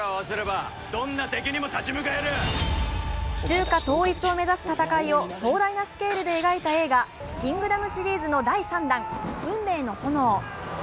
中華統一を目指す戦いを壮大なスケールで描いた映画「キングダム」シリーズの第３弾「運命の炎」。